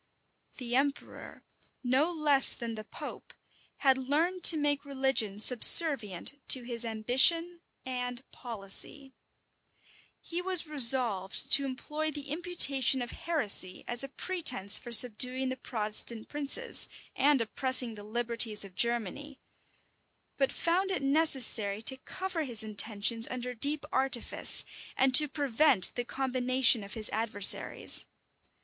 The emperor, no less than the pope, had learned to make religion subservient to his ambition and policy. He was resolved to employ the imputation of heresy as a pretence for subduing the Protestant princes, and oppressing the liberties of Germany; but found it necessary to cover his intentions under deep artifice, and to prevent the combination of his adversaries.